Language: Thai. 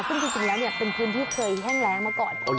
ซึ่งจริงแล้วเป็นพื้นที่เคยแห้งแรงมาก่อน